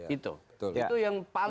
itu itu yang